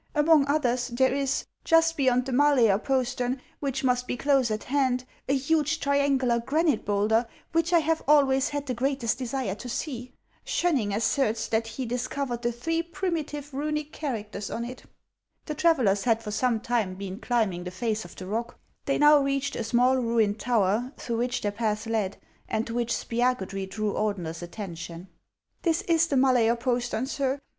Among others, there is, just beyond the Malaer postern, which must be close at hand, a huge triangular granite bowlder, which I have always had the greatest desire to see. Schoenning asserts that he dis covered the three primitive Runic characters on it." The travellers had for some time been climbing the face of the rock ; they now reached a small, ruined tower, through which their path led, and to which Spiagudry drew Ordener's attention. " This is the Mala'er postern, sir.